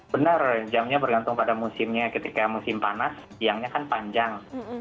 benar jamnya bergantung pada musimnya ketika musim panas siangnya kan panjang